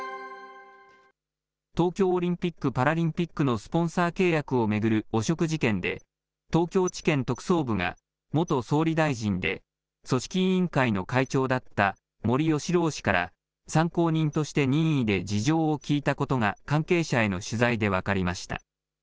東京オリンピック・パラリンピックのスポンサー契約を巡る汚職事件で、東京地検特捜部が元総理大臣で、組織委員会の会長だった森喜朗氏から、参考人として任意で事情を聴いたことが関係者への取材で分かりました。